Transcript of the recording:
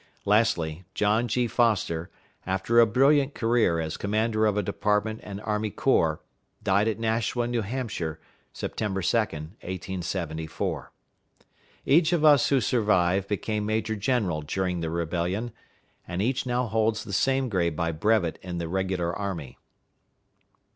Lastly, John G. Foster, after a brilliant career as commander of a department and army corps, died at Nashua, New Hampshire, September 2d, 1874. Each of us who survive became major general during the rebellion, and each now holds the same grade by brevet in the regular army.